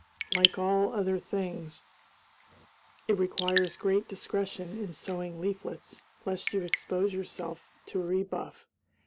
Like all other things, it requires great discretion in sowing leaflets, lest you expose yourself to a rebuff.